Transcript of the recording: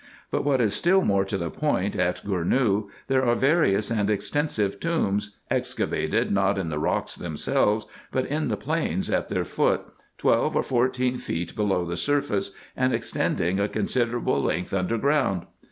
But what is still more to the point, at Gournou there are various and extensive tombs, ex cavated not in the rocks themselves, but in the plains at their foot, twelve or fourteen feet below the surface, and extending a con siderable length under ground.